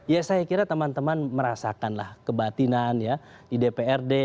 ya saya kira teman teman merasakanlah kebatinan ya di dprd